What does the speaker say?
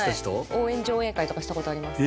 応援上映会とかしたことあります